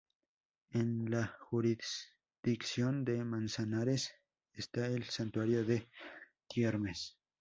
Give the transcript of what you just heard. En la jurisdicción de Manzanares, está el santuario de Tiermes.